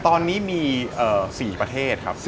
ตอนนี้มี๔ประเทศครับ